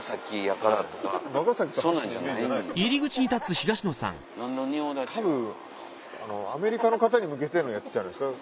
たぶんアメリカの方に向けてのやつじゃないですか？